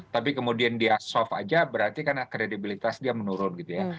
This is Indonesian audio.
tapi kemudian dia soft aja berarti karena kredibilitas dia menurun gitu ya